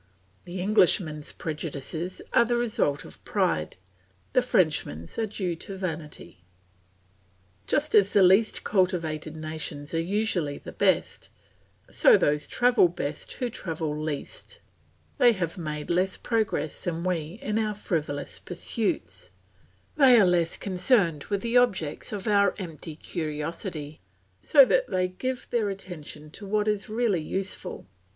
The Englishman's prejudices are the result of pride, the Frenchman's are due to vanity. Just as the least cultivated nations are usually the best, so those travel best who travel least; they have made less progress than we in our frivolous pursuits, they are less concerned with the objects of our empty curiosity, so that they give their attention to what is really useful.